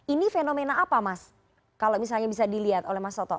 ini fenomena apa mas kalau misalnya bisa dilihat oleh mas toto